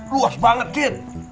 luas banget cid